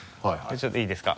ちょっといいですか？